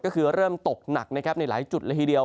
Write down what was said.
ก็คือเริ่มตกหนักนะครับในหลายจุดละทีเดียว